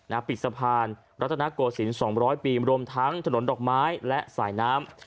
ปิดสะพานรัฐนาโกศิลป์สองร้อยปีรวมทั้งถนนดอกไม้และสายน้ำ